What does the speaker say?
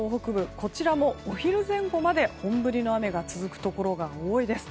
こちらもお昼前後まで本降りの雨が続くところが多いですね。